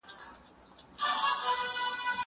زه اوږده وخت انځورونه رسم کوم.